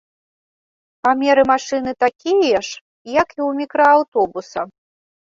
Памеры машыны такія ж, як і ў мікрааўтобуса.